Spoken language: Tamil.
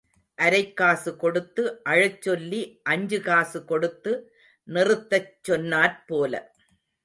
அரைக் காசு கொடுத்து அழச்சொல்லி அஞ்சு காசு கொடுத்து நிறுத்தச் சொன்னாற் போல.